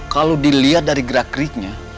kalau dilihat dari gerak geriknya